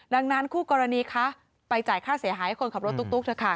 ดังนั้นคู่กรณีคะไปจ่ายค่าเสียหายให้คนขับรถตุ๊กเถอะค่ะ